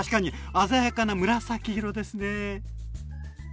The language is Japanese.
鮮やかな紫色ですね。